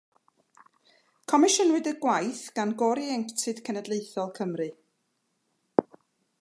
Comisiynwyd y gwaith gan Gôr Ieuenctid Cenedlaethol Cymru.